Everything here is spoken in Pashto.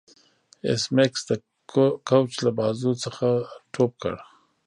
ایس میکس د کوچ له بازو څخه ټوپ کړ